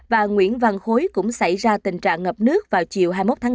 và nguyễn văn khối cũng xảy ra tình trạng ngập nước vào chiều hai mươi một tháng năm